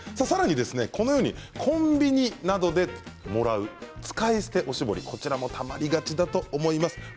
さらにコンビニなどでもらう使い捨ておしぼりこちらもたまりがちだと思います。